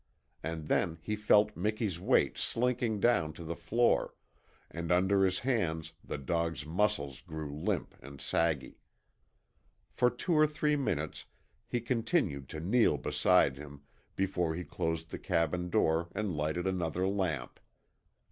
And then he felt Miki's weight slinking down to the floor, and under his hands the dog's muscles grew limp and saggy. For two or three minutes he continued to kneel beside him before he closed the cabin door and lighted another lamp.